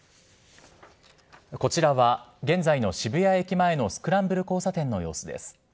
こちらは現在の渋谷駅前のスクランブル交差点の様子です。